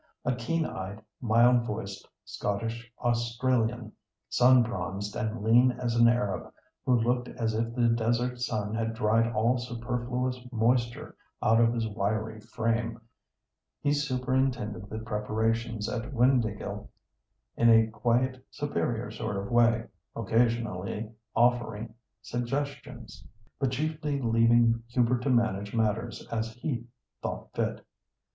A keen eyed, mild voiced Scottish Australian, sun bronzed, and lean as an Arab, who looked as if the desert sun had dried all superfluous moisture out of his wiry frame, he superintended the preparations at Windāhgil in a quiet, superior sort of way, occasionally offering suggestions, but chiefly leaving Hubert to manage matters as he thought fit.